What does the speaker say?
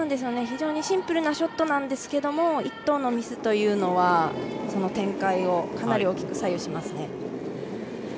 非常にシンプルなショットなんですけれども１投のミスというのはその展開をかなり、大きく左右しますね。